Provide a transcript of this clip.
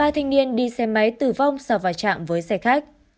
ba thanh niên đi xe máy tử vong sau vào trạm với xe khách